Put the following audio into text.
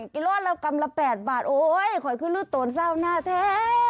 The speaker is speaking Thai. กิโลกรัมละ๘บาทโอ๊ยขอขึ้นรูดโตนเศร้าหน้าแท้